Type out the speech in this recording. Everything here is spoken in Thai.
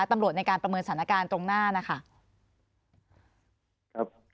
ตำรวจในการประเมินสถานการณ์ตรงหน้านะคะ